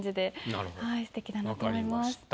すてきだなと思います。